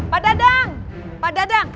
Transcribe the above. pak dadang pak dadang